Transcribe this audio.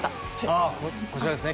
ああこちらですね